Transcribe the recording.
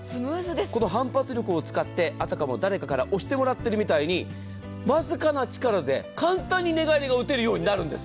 この反発力を使って、あたかも誰かに押してもらってるみたいに僅かな力で簡単に寝返りが打てるようになるんです。